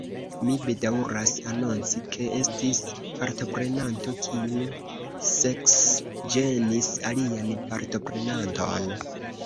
Mi bedaŭras anonci, ke estis partoprenanto, kiu seksĝenis alian partoprenanton.